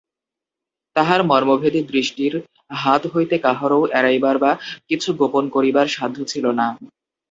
তাঁহার মর্মভেদী দৃষ্টির হাত হইতে কাহারও এড়াইবার বা কিছু গোপন করিবার সাধ্য ছিল না।